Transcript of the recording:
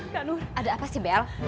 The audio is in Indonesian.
kak nur ada apa sih bel